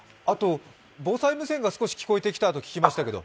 防災無線が少し聞こえてきたと聞きましたけど？